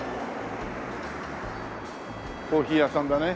コーヒー屋さんだね。